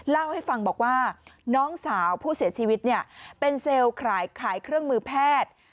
เล่าให้ฟังบอกว่าน้องสาวผู้เสียชีวิตเนี่ยเป็นเซลล์ขายเครื่องมือแพทย์